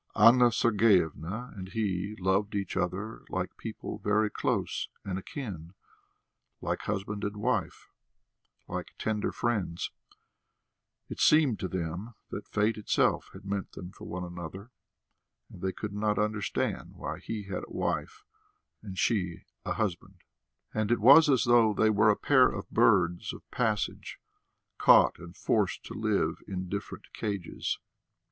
Anna Sergeyevna and he loved each other like people very close and akin, like husband and wife, like tender friends; it seemed to them that fate itself had meant them for one another, and they could not understand why he had a wife and she a husband; and it was as though they were a pair of birds of passage, caught and forced to live in different cages.